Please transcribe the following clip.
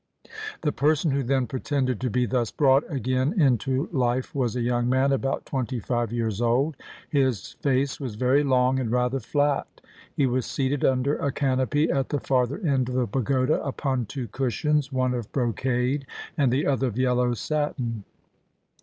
The person who then pretended to be thus brought again into life was a young man about twenty five years old. His face was very long and rather flat. He was seated under a canopy at the farther end of the pagoda upon two cushions, one of brocade and the other of yellow satin.